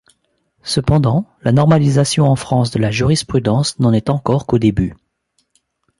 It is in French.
Cependant, la normalisation en France de la jurisprudence n’en est encore qu’au début.